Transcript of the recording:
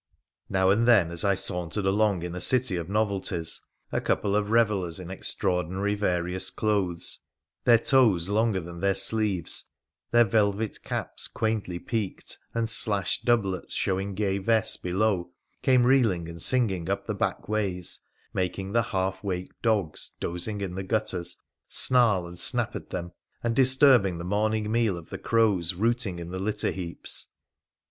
Now and then as I sauntered along in a city of novelties, a couple of revellers in extraordinary various clothes, their toes longer than their sleeves, their velvet caps quaintly peaked, and slashed doublets showing gay vests below, came reeling and singing up the back ways, making the half waked dogs dozing in the gutters snarl and snap at them, and disturb ing the morning meal of the crows rooting in the Utter heaps.